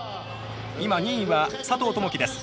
今、２位は佐藤友祈です。